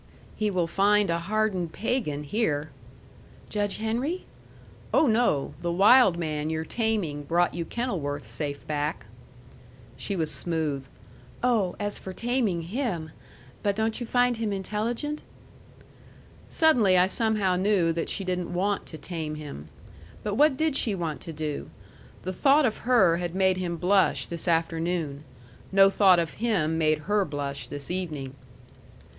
"He will find a hardened pagan here." "Judge Henry?" "Oh, no! The wild man you're taming brought you Kenilworth safe back." She was smooth. "Oh, as for taming him! But don't you find him intelligent?" Suddenly I somehow knew that she didn't want to tame him. But what did she want to do? The thought of her had made him blush this afternoon. No thought of him made her blush this evening.